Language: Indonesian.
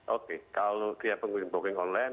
oke kalau dia pengunjung booking online